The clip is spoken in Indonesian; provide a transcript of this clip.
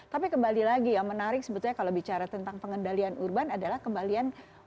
tapi kembali lagi yang menarik sebetulnya kalau bicara tentang pengendalian urban adalah kembalian